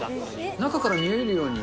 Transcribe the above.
中から見えるように。